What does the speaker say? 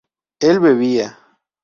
él bebía